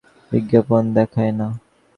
তারা ব্যবহারকারীর তথ্য অনুযায়ী বিজ্ঞাপন দেখায় না।